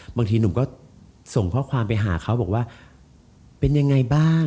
บางทีหนุ่มก็ส่งข้อความไปหาเขาบอกว่าเป็นยังไงบ้าง